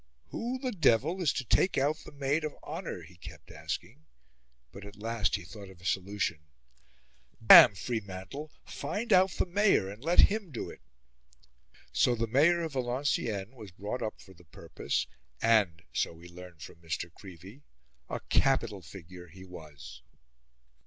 "Who the devil is to take out the maid of honour?" he kept asking; but at last he thought of a solution. "Damme, Freemantle, find out the mayor and let him do it." So the Mayor of Valenciennes was brought up for the purpose, and so we learn from Mr. Creevey "a capital figure he was."